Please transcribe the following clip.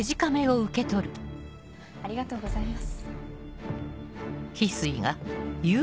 ありがとうございます。